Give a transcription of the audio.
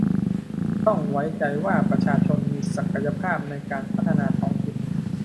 ต้องไว้ใจว่าประชาชนมีศักยภาพในการพัฒนาท้องถิ่น